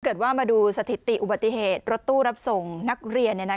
เกิดว่ามาดูสถิติอุบัติเหตุรถตู้รับส่งนักเรียน